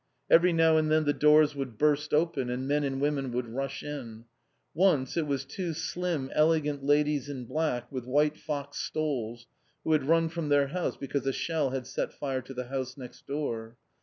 Every now and then the doors would burst open and men and women would rush in. Once it was two slim, elegant ladies in black, with white fox stoles, who had run from their house because a shell had set fire to the house next door.